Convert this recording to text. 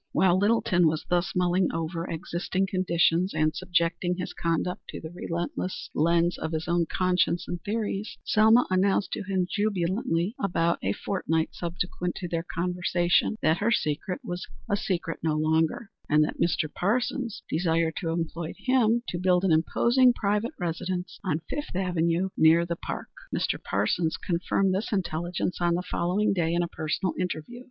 While Littleton was thus mulling over existing conditions, and subjecting his conduct to the relentless lens of his own conscience and theories, Selma announced to him jubilantly, about a fortnight subsequent to their conversation, that her secret was a secret no longer, and that Mr. Parsons desired to employ him to build an imposing private residence on Fifth Avenue near the Park. Mr. Parsons confirmed this intelligence on the following day in a personal interview.